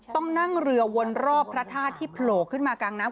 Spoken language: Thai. ต้องนั่งเรือวนรอบพระธาตุที่โผล่ขึ้นมากลางน้ำ